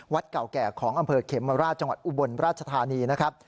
เก่าแก่ของอำเภอเขมราชจังหวัดอุบลราชธานีนะครับ